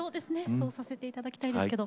そうさせて頂きたいですけど。